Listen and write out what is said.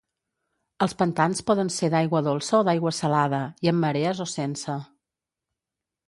Els pantans poden ser d'aigua dolça o d'aigua salada, i amb marees o sense.